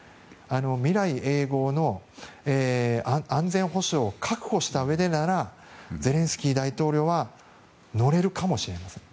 未来永劫の安全保障を確保したうえでならゼレンスキー大統領は乗れるかもしれません。